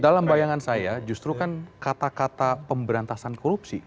dalam bayangan saya justru kan kata kata pemberantasan korupsi